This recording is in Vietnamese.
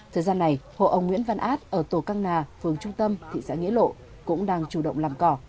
thời gian này hộ ông nguyễn văn át ở tổ căng nà phường trung tâm thị xã nghĩa lộ cũng đang chủ động làm cỏ